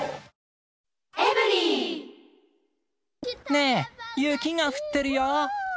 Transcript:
ねえ、雪が降ってるよ。